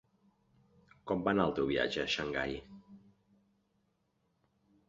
Com va anar el teu viatge a Xangai?